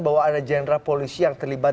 bahwa ada jenderal polisi yang terlibat